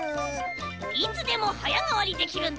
いつでもはやがわりできるんだ。